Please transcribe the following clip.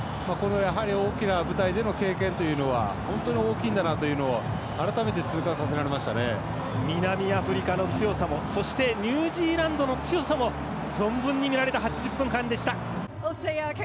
大きな舞台での経験というのは本当に大きいんだなというのを南アフリカの強さもそしてニュージーランドの強さも存分に見られた８０分間でした。